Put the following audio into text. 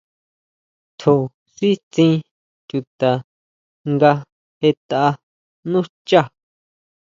Tjó sitsín chuta nga jetʼa nú xchá.